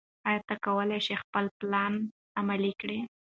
ایا ته کولی شې خپل پلان عملي کړې؟